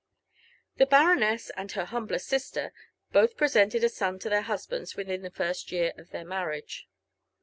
The baroness and her humbler sister, both presented a son to their husbands within the first year of their marriage.